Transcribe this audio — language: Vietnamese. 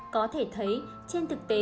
có thể thấy trên thực tế